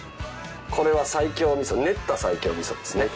これは西京味噌練った西京味噌ですね。